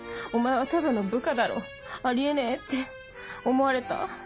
お前はただの部下だろあり得ねえ」って思われた。